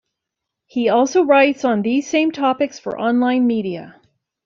He also writes on these same topics for online media.